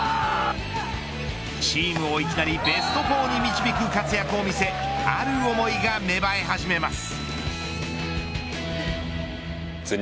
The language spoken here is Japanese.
チームをいきなりベスト４に導く活躍を見せある思いが芽生え始めます。